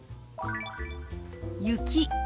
「雪」。